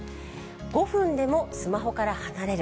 ５分でもスマホから離れる。